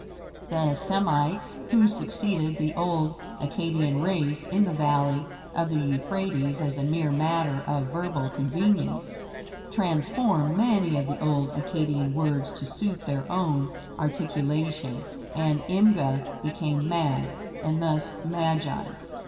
The Semites, who succeeded the old Akkadian race in the valley of the Euphrates, as a mere matter of verbal convenience, transformed many of the old Akkadian words to suit their own articulation, and "imga" became "mag," and thus "magi."